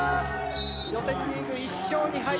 予選リーグ１勝２敗。